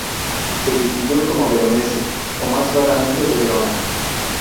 Se distinguió como "Veronese" o, más raramente, "de Verona".